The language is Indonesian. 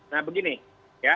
nah begini ya